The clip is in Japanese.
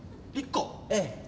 「１個」？